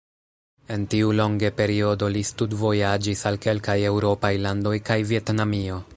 En tiu longe periodo li studvojaĝis al kelkaj eŭropaj landoj kaj Vjetnamio.